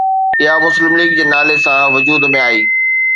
اها مسلم ليگ جي نالي سان وجود ۾ آئي